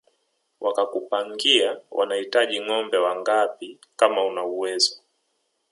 Wakakupangia wanahitaji ngombe wangapi kama una uwezo